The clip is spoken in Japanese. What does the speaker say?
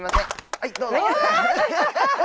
はいどうぞ。